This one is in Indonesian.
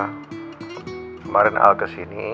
kemarin al kesini